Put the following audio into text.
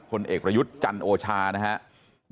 เอกประยุทธ์จันโอชานะครับ